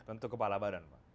tentu kepala badan pak